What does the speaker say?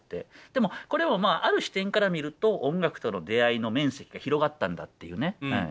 でもこれもまあある視点から見ると音楽との出会いの面積が広がったんだっていうね。